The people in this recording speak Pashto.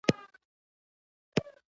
ـ پړ مى که مړ مى که.